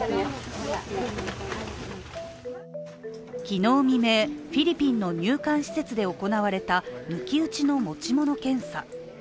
昨日未明、フィリピンの入管施設で行われた抜き打ちの持ち物検査。